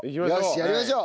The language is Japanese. やりましょう。